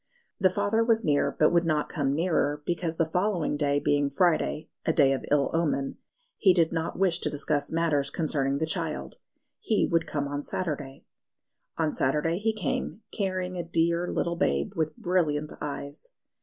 The father was near, but would not come nearer because the following day being Friday (a day of ill omen), he did not wish to discuss matters concerning the child; he would come on Saturday. On Saturday he came, carrying a dear little babe with brilliant eyes.